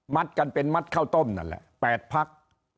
กันเป็นมัดข้าวต้มนั่นแหละ๘พัก